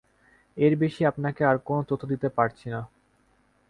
এর বেশি আপনাকে আর কোনো তথ্য দিতে পারছি না।